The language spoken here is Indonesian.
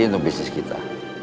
untuk bisnis kita